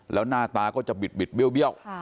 แล้วหน้าตาก็จะบิดเบี้ยว